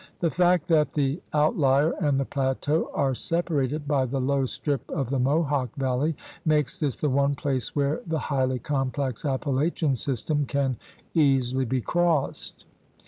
The fact that the out lier and the plateau are separated by the low strip of the Mohawk Valley makes this the one place where the highly complex Appalachian system can easily be crossed.